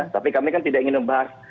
tapi kami kan tidak ingin membahas